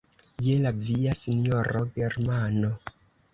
Je la via, sinjoro Germano!